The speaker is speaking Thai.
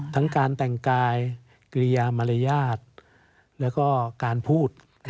ทั้งการแต่งกายกิริยามารยาทแล้วก็การพูด